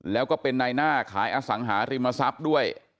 แล้วก็เป็นนายหน้าขายอสังหาริมทรัพย์ด้วย